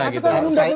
jadi kita disitu